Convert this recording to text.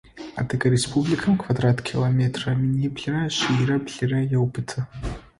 Адыгэ Республикэм квадрат километрэ миныблырэ шъийрэ блырэ еубыты.